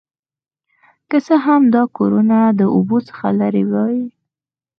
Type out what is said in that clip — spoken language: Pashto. که څه هم دا کورونه د اوبو څخه لرې وي